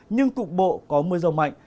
nhưng cục bộ có mưa rào mạnh